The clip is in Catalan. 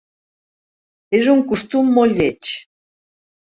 És un costum molt lleig.